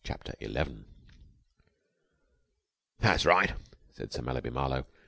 CHAPTER ELEVEN "That's right!" said Sir Mallaby Marlowe.